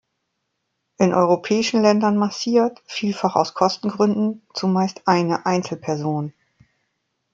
In europäischen Ländern massiert, vielfach aus Kostengründen, zumeist eine Einzelperson.